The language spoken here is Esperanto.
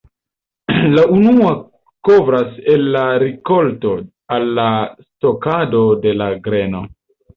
La unua kovras el la rikolto al la stokado de la greno.